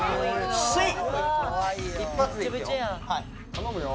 頼むよ。